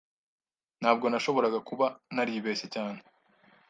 Ntabwo nashoboraga kuba naribeshye cyane.